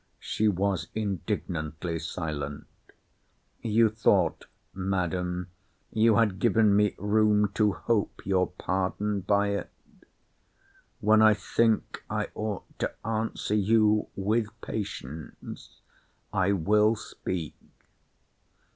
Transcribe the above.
She was indignantly silent. You thought, Madam, you had given me room to hope your pardon by it? When I think I ought to answer you with patience I will speak.